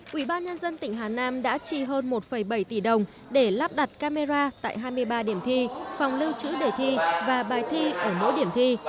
quỹ ban nhân dân tỉnh hà nam đã chi hơn một bảy tỷ đồng để lắp đặt camera tại hai mươi ba điểm thi phòng lưu chữ đề thi và bài thi ở mỗi điểm thi